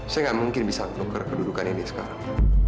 saya nggak mungkin bisa tukar kedudukan ini sekarang